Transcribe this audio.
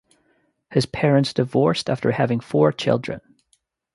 His parents divorced after having four children.